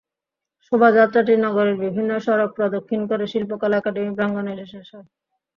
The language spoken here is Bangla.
শোভাযাত্রাটি নগরের বিভিন্ন সড়ক প্রদক্ষিণ করে শিল্পকলা একাডেমি প্রাঙ্গণে এসে শেষ হয়।